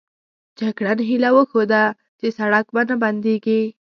جګړن هیله وښوده چې سړک به نه بندېږي.